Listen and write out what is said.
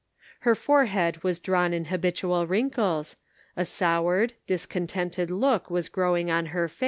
Her forehead was drawn in habitual wrinkles, a soured, discontented look was growing on her Measured in Prose.